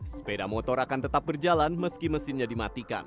sepeda motor akan tetap berjalan meski mesinnya dimatikan